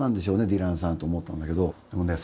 ディランさんと思ったんだけどでもね